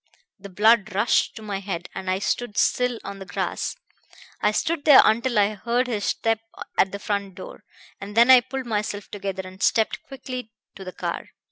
The blood rushed to my head, and I stood still on the grass. I stood there until I heard his step at the front door, and then I pulled myself together and stepped quickly to the car.